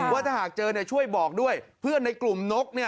ว่าถ้าหากเจอช่วยบอกด้วยเพื่อนในกลุ่มนก